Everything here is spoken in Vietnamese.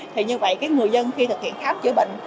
thì như vậy cái người dân khi thực hiện khám chữa bệnh